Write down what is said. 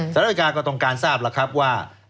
สหรัฐอเมริกาก็ต้องการทราบละครับว่า